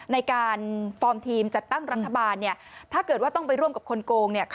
ในการฟอร์มทีมจัดตั้งรัฐบาลเนี่ยถ้าเกิดว่าต้องไปร่วมกับคนโกงเนี่ย